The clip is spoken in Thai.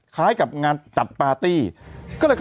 คล้ายกับงานจัดปาร์ตี้ก็เลยเข้าไปตรวจสอบครับ